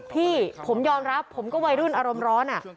พี่ผมยอมรับผมก็วัยรุ่นอารมณ์ร้อน